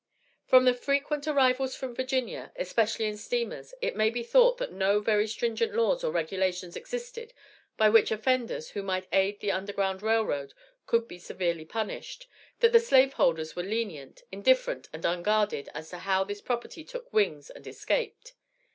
From the frequent arrivals from Virginia, especially in steamers, it may be thought that no very stringent laws or regulations existed by which offenders, who might aid the Underground Rail Road, could be severely punished that the slave holders were lenient, indifferent and unguarded as to how this property took wings and escaped.